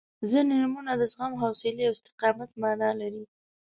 • ځینې نومونه د زغم، حوصلې او استقامت معنا لري.